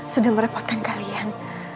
sudah merepotkan kalian